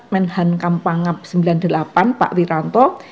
menhan kampanggap sembilan puluh delapan pak wiranto